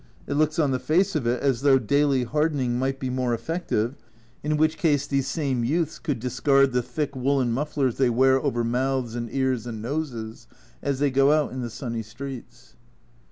It looks on the face of it as though daily hardening might be more effective, in which case these same youths could discard the thick woollen mufflers they wear over mouths and ears and noses as they go out in the sunny streets.